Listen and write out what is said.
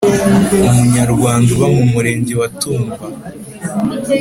umunyarwanda uba mu Murenge wa Tumba